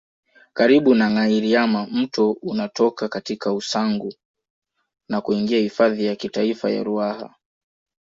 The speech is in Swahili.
Karibu na Ngâiriama mto unatoka katika Usangu na kuingia hifadhi ya kitaifa ya Ruaha